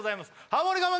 ハモリ我慢